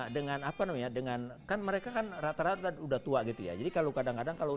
dengan apa namanya dengan kan mereka kan rata rata udah tua gitu ya jadi kalau kadang kadang kalau